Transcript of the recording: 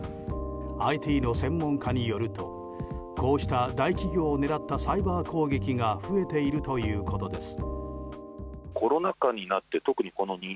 ＩＴの専門家によるとこうした、大企業を狙ったサイバー攻撃が増えているということです。